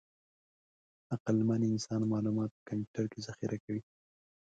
عقلمن انسان معلومات په کمپیوټر کې ذخیره کوي.